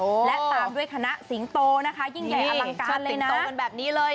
และตามด้วยคณะสิงโตนะคะยิ่งใหญ่อลังการเลยโตกันแบบนี้เลย